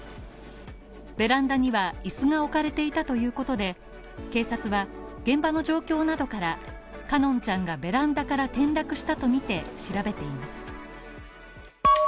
ベランダには椅子が置かれていたということで、警察は現場の状況などから、奏音ちゃんがベランダから転落したとみて調べています。